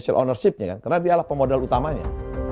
karena dia adalah pemodal utamanya